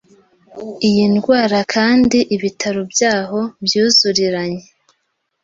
iyi ndwara, kandi ibitaro byaho "byuzuriranye".